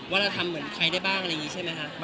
ว่าเราทำเหมือนใครได้บ้างอะไรอย่างนี้ใช่ไหมคะ